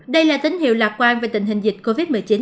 đây là tín hiệu lạc quan về tình hình dịch covid một mươi chín